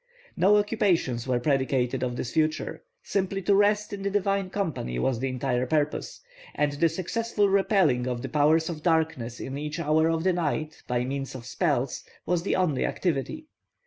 No occupations were predicated of this future; simply to rest in the divine company was the entire purpose, and the successful repelling of the powers of darkness in each hour of the night by means of spells was the only activity.